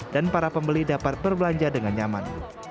dan para pembeli dapat berbelanja dengan nyaman